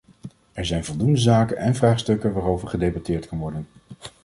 Er zijn voldoende zaken en vraagstukken waarover gedebatteerd kan worden.